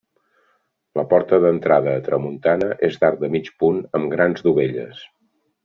La porta d'entrada a tramuntana és d'arc de mig punt amb grans dovelles.